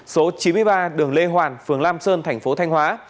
số chín mươi ba đường lê hoàn phường lam sơn thành phố thanh hóa